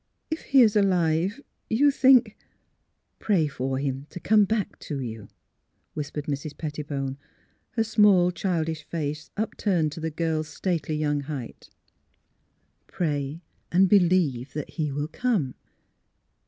*' If he is alive, you think "'< Pray for him to come back to you," whis pered Mrs. Pettibone, her small childish face up turned to the girl's stately young height. " Pray and believe that he will come.